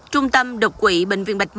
trung tâm đột quỵ bệnh viện bạch động